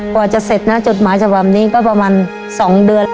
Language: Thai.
กว่าจะเสร็จนะจดหมายฉบับนี้ก็ประมาณ๒เดือน